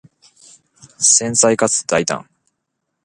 繊細かつ大胆